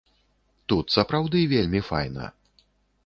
Тут сапраўды вельмі файна.